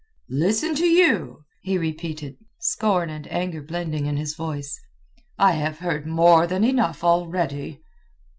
"Listen to you?" he repeated, scorn and anger blending in his voice. "I have heard more than enough already!"